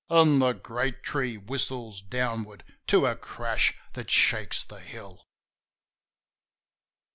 An' the great tree whistles downward to a crash that shakes the hill.